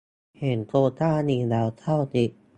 เห็นโควตนี้แล้วเศร้านิด